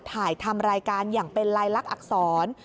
ถ่ายทำรายการอย่างเป็นลายลักษณอักษร